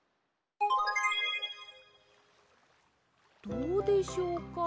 どうでしょうか？